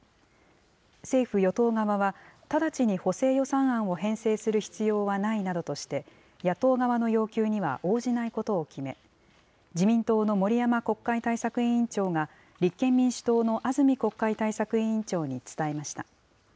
政府・与党側は、直ちに補正予算案を編成する必要はないなどとして、野党側の要求には応じないことを決め、自民党の森山国会対策委員長が、立憲民主党の安住国会対策委員長に伝えました。